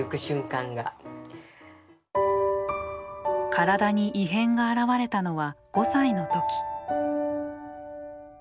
体に異変が現れたのは５歳の時。